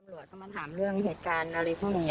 ตำรวจก็มาถามเรื่องเหตุการณ์อะไรพวกนี้